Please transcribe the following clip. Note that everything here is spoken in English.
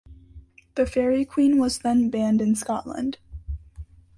"The Faerie Queene" was then banned in Scotland.